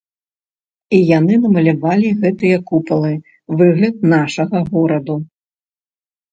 І яны намалявалі гэтыя купалы, выгляд нашага гораду.